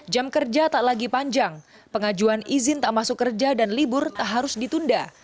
jam kerja tak lagi panjang pengajuan izin tak masuk kerja dan libur tak harus ditunda